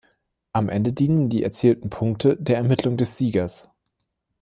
Am Ende dienen die erzielten Punkte der Ermittlung des Siegers.